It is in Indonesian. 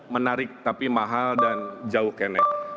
menarik tapi mahal dan jauh kenet